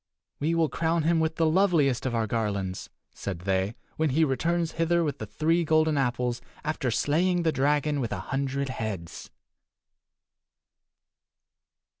"We will crown him with the loveliest of our garlands," said they, "when he returns hither with the three golden apples after slaying the dragon with a hundred heads."